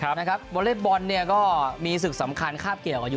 วอเล็กบอลก็มีศึกสำคัญคราบเกี่ยวอายุ๒๓